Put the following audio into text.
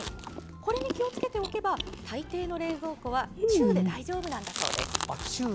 これに気をつけておけば大抵の冷蔵庫は「中」で大丈夫なんだそうです。